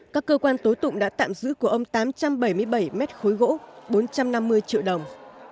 các cơ quan tố tụng đã tạm giữ của ông tám trăm bảy mươi bảy mét khối gỗ bốn trăm năm mươi triệu đồng